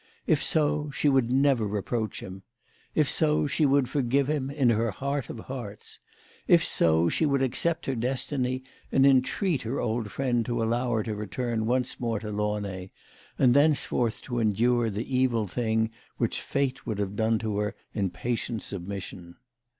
If so she would never reproach him. If so she would forgive him in her heart of hearts. If so she would accept her destiny and entreat her old friend to allow her to return once more to Launay, and thenceforth to endure the evil thing which fate would have done to her in patient submis sion.